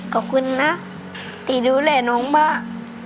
ขอบคุณนะดูเลยน้องมัก